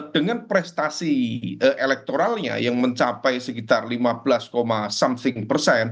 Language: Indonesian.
dengan prestasi elektoralnya yang mencapai sekitar lima belas something persen